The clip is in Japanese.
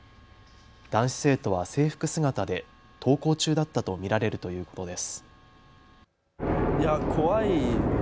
男子生徒は制服姿で登校中だったと見られるということです。